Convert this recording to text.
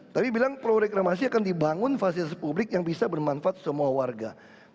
tapi bilang pro reklamasi akan dibangun fasilitas publik yang bisa bermanfaat semua warga